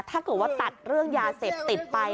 ถ้าเกิดว่าตัดเรื่องยาเสพติดไป